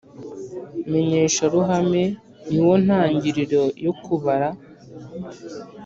Menyesharuhame ni wo ntangiriro yo kubara